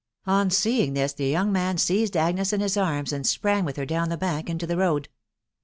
On seeing this, the young man seized Agnes in his arms, and sprang with her down the bank into the road.